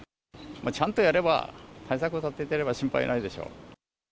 ちゃんとやれば、対策を立てていれば心配ないでしょ。